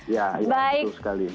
ya itu sekali